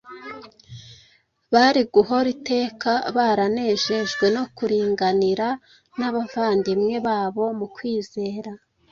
bari guhora iteka baranejejwe no kuringanira n’abavandimwe babo mu kwizera.